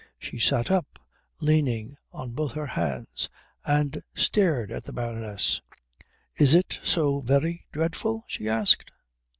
She sat up, leaning on both her hands, and stared at the Baroness. "Is it so very dreadful?" she asked.